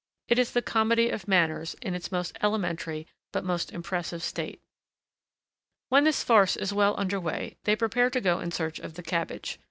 It is the comedy of manners in its most elementary but most impressive state. When this farce is well under way, they prepare to go in search of the cabbage.